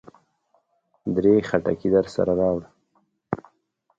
درې خټکي درسره راوړه.